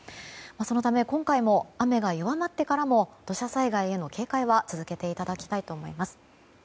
そのため今回も雨が弱まってからも土砂災害への警戒は続けていただきたいと思います。